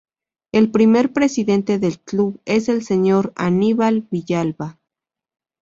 El primer presidente del club es el señor Aníbal Villalba.